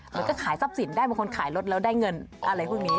เหมือนก็ขายทรัพย์สินได้บางคนขายรถแล้วได้เงินอะไรพวกนี้